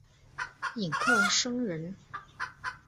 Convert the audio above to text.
尹克升人。